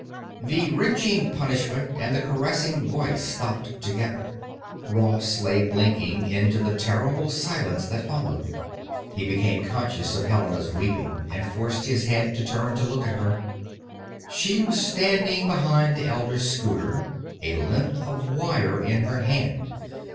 The wrenching punishment and the caressing voice stopped together. Ross lay blinking into the terrible silence that followed. He became conscious of Helena's weeping, and forced his head to turn to look at her. She was standing behind the elder's scooter, a length of wire in her hand.